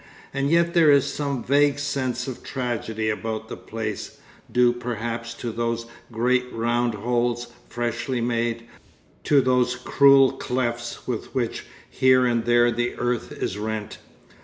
And yet there is some vague sense of tragedy about the place, due perhaps to those great round holes, freshly made; to those cruel clefts with which here and there the earth is rent.